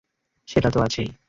সেটা তো আছেই।